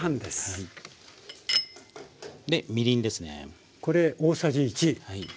でみりんですね。